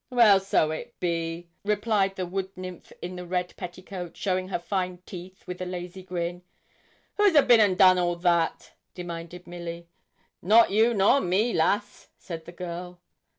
'Well, so it be,' replied the wood nymph in the red petticoat, showing her fine teeth with a lazy grin. 'Who's a bin and done all that?' demanded Milly. 'Not you nor me, lass,' said the girl.